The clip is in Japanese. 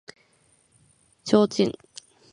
提灯